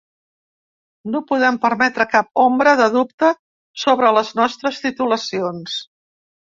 No podem permetre cap ombra de dubte sobre les nostres titulacions.